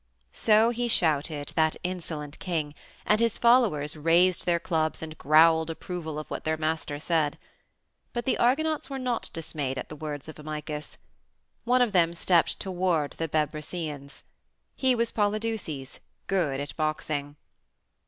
So he shouted, that insolent king, and his followers raised their clubs and growled approval of what their master said. But the Argonauts were not dismayed at the words of Amycus. One of them stepped toward the Bebrycians. He was Polydeuces, good at boxing.